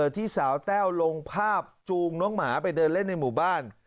ที่สาวแต้วลงภาพจูงน้องหมาไปเดินเล่นในหมู่บ้าน